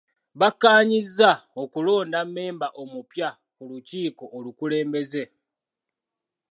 Bakkaanyizza okulonda mmemba omupya ku lukiiko olukulembeze.